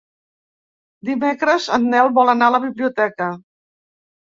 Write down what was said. Dimecres en Nel vol anar a la biblioteca.